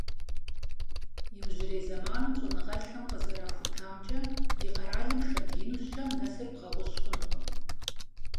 Иужьрей зэманым щӀэныгъэлӀхэм къызэрахутамкӀэ, ди къэралым шэд ину щэм нэсыр бгъэгъущ хъунукъым.